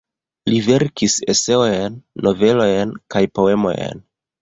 Li verkis eseojn, novelojn kaj poemojn.